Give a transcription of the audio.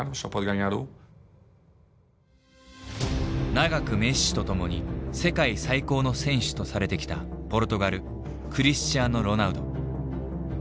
長くメッシと共に世界最高の選手とされてきたポルトガルクリスチアーノ・ロナウド。